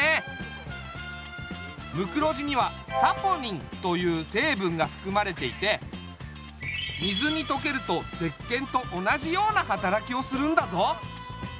ムクロジにはサポニンというせいぶんがふくまれていて水にとけると石けんと同じような働きをするんだぞ。